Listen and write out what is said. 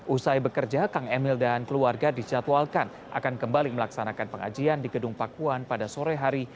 usai bekerja kang emil dan keluarga dijadwalkan akan kembali melaksanakan pengajian di gedung pakuan pada sore hari